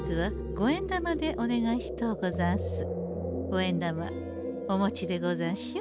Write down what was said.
五円玉お持ちでござんしょ？